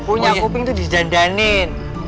punya kubing tuh di zandanin